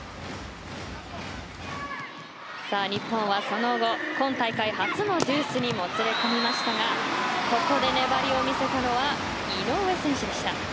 さあ、日本はその後今大会、初のジュースにもつれ込みましたがここで粘りを見せたのは井上選手でした。